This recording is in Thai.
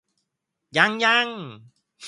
ยังยัง